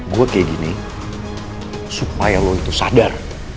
gue kayak gini supaya lo itu sadar